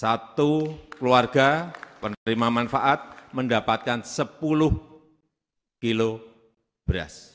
satu keluarga penerima manfaat mendapatkan sepuluh kilo beras